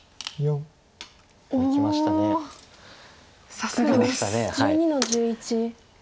さすがです。